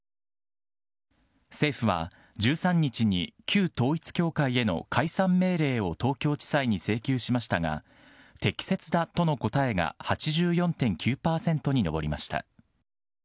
政府は１３日に旧統一教会への解散命令を東京地裁に請求しましたが、適切だとの答えが８４．９％に上りました。